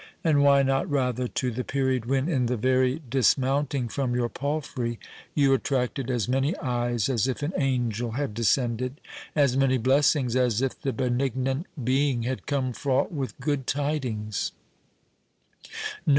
and why not rather to the period when, in the very dismounting from your palfrey, you attracted as many eyes as if an angel had descended,—as many blessings as if the benignant being had come fraught with good tidings?